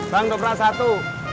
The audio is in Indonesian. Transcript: bang doperan satu